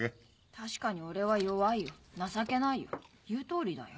確かに俺は弱いよ情けないよ言う通りだよ。